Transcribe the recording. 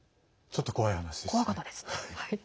ちょっと怖い話ですね。